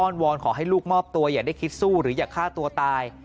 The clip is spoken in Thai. วอนขอให้ลูกมอบตัวอย่าได้คิดสู้หรืออย่าฆ่าตัวตาย